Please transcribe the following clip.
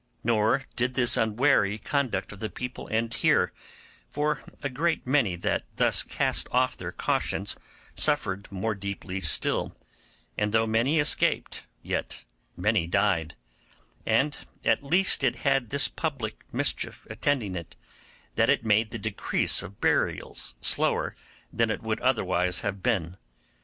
Nor did this unwary conduct of the people end here, for a great many that thus cast off their cautions suffered more deeply still, and though many escaped, yet many died; and at least it had this public mischief attending it, that it made the decrease of burials slower than it would otherwise have been.